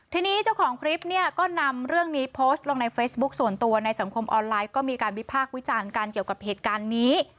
ทีนี้เจ้าของคลิปเนี่ยก็นำเรื่องนี้โพสต์ลงในเฟซบุ๊คส่วนตัวในสังคมออนไลน์ก็มีการวิพากษ์วิจารณ์กันเกี่ยวกับเหตุการณ์นี้